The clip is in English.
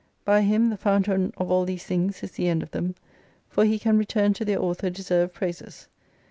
By him, the fountain of all these things is the end of them : for he can return to their Author deserved praises.